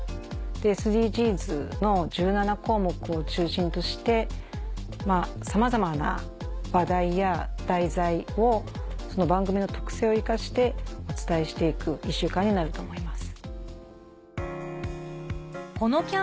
ＳＤＧｓの１７項目を中心としてさまざまな話題や題材をその番組の特性を生かしてお伝えして行く１週間になると思います。